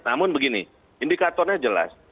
namun begini indikatornya jelas